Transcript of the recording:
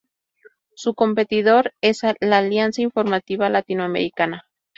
Su competidor es la Alianza Informativa Latinoamericana.